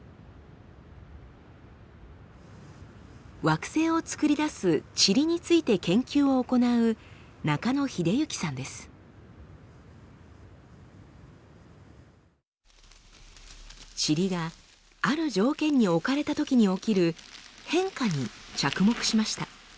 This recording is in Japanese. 惑星をつくり出すチリについて研究を行うチリがある条件に置かれたときに起きる変化に着目しました。